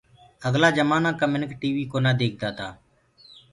اگلآ جمآنآ ڪآ منک ٽي وي ڪونآ ديکدآ تآ۔